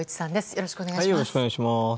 よろしくお願いします。